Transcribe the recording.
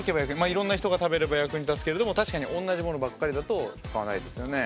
いろんな人が食べれば役に立つけれども確かに同じものばっかりだと使わないですよね。